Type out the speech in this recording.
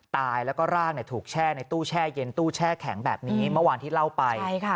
ตายแล้วก็ร่างถูกแช่ในตู้แช่เย็นตู้แช่แข็งแบบนี้เมื่อวานที่เล่าไป